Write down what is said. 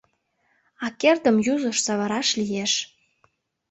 А кердым юзыш савыраш лиеш.